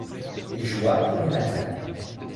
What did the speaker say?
Il joua pour le Natal.